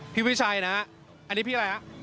พี่วิชัยนะครับอันนี้พี่อะไรครับ